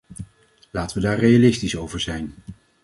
Laten we daar realistisch over zijn.